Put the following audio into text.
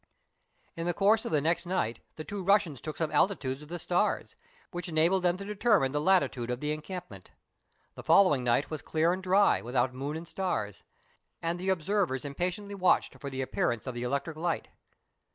In the course of the next night the two Russians took some altitudes of the stars, which enabled them to deter io8 meridiana; the adventures of ( mine the latitude of the encampment. The following night was clear and dry, w^ithout moon and stars, and the observers impatiently watched for the appearance of the electric light.